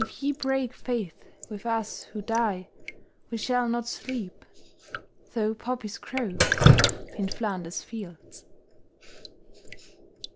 If ye break faith with us who die We shall not sleep, though poppies grow In Flanders fields.